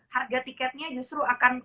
harga tiketnya justru akan